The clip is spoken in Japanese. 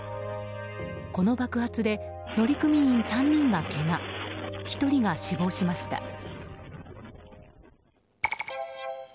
この爆発で、乗組員３人がけが１人が死亡しました。